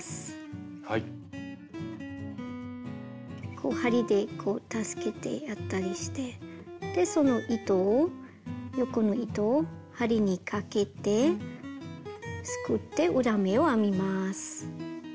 こう針で助けてやったりしてでその糸を横の糸を針にかけてすくって裏目を編みます。